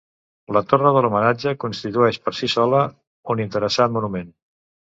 La torre de l'homenatge constitueix per si sola un interessant monument.